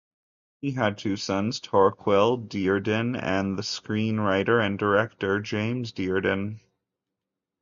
He had two sons, Torquil Dearden and the screenwriter and director James Dearden.